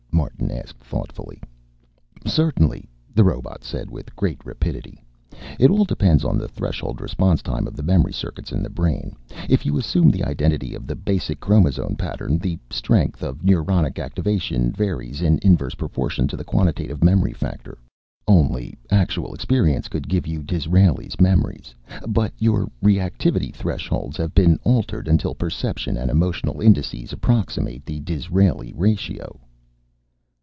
Martin asked thoughtfully. "Certainly," the robot said with great rapidity. "It all depends on the threshold response time of the memory circuits in the brain, if you assume the identity of the basic chromosome pattern. The strength of neuronic activation varies in inverse proportion to the quantative memory factor. Only actual experience could give you Disraeli's memories, but your reactivity thresholds have been altered until perception and emotional indices approximate the Disraeli ratio."